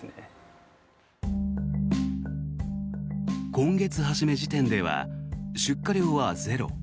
今月初め時点では出荷量はゼロ。